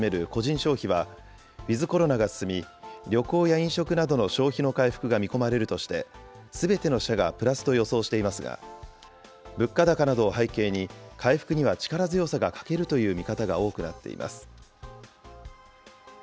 消費は、ウィズコロナが進み、旅行や飲食などの消費の回復が見込まれるとして、すべての社がプラスと予想していますが、物価高などを背景に、回復には力強さが欠けるという見方が多くなっています。